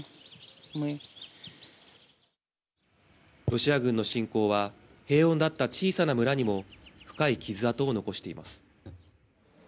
ロシア軍の侵攻は平穏だった小さな村にも深い傷あとを残しています。